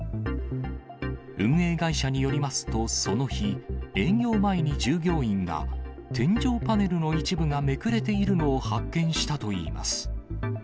運営会社によりますと、その日、営業前に従業員が、天井パネルの一部がめくれているのを発見したといいます。